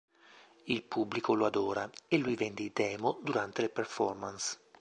Il pubblico lo adora e lui vende i "demo" durante le performance.